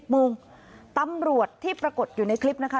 โมงตำรวจที่ปรากฏอยู่ในคลิปนะคะ